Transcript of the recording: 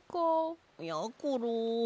やころ。